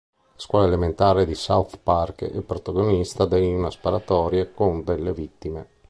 La scuola elementare di South Park è protagonista di una sparatoria con delle vittime.